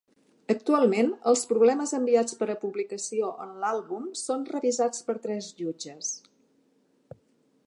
Actualment, els problemes enviats per a publicació en l'àlbum són revisats per tres jutges.